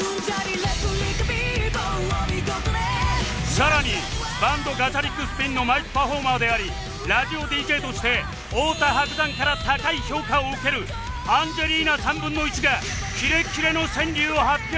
さらにバンド ＧａｃｈａｒｉｃＳｐｉｎ のマイクパフォーマーでありラジオ ＤＪ として太田伯山から高い評価を受けるアンジェリーナ １／３ がキレッキレの川柳を発表